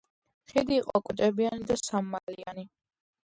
ხიდი იყო კოჭებიანი და სამმალიანი.